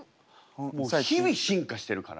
もう日々進化してるから。